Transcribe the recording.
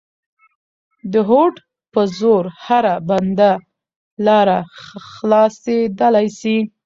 د هوډ په زور هره بنده لاره خلاصېدلای سي.